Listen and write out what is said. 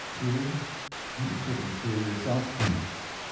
Hear? You couldn't hear yourself think.